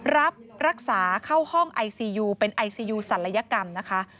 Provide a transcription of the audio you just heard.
รับรักษาเข้าห้องไอซียูเป็นไอซียูศัลยกรรมนะคะ